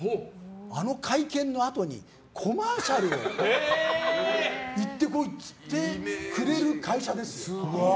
あの会見のあとにコマーシャル行ってこいって言って、くれる会社ですよ。